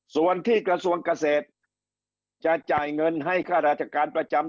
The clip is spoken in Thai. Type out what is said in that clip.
ส่วนที่กระทรวงเกษตรจะจ่ายเงินให้ค่าราชการประจำ